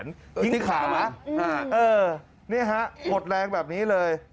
นี่ครับหมดแรงแบบนี้เลย